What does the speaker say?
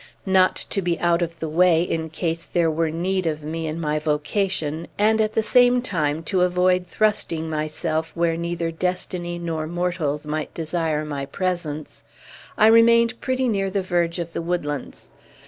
Not to be out of the way in case there were need of me in my vocation, and, at the same time, to avoid thrusting myself where neither destiny nor mortals might desire my presence, I remained pretty near the verge of the woodlands.